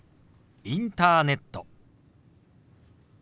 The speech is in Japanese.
「インターネット」。